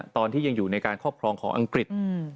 ตอนที่ยังอยู่ในการครอบครองของอังกฤษ